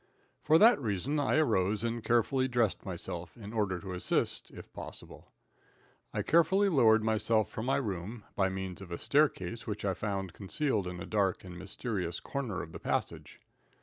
For that reason I arose and carefully dressed myself, in order to assist, if possible. I carefully lowered myself from my room, by means of a staircase which I found concealed in a dark and mysterious corner of the passage.